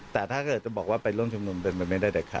แต่ถ้าเกิดจะบอกว่าไปร่วมชุมนุมเป็นไปไม่ได้เด็ดขา